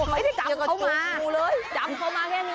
ไม่ได้จับเขามาดูเลยจับเขามาแค่นี้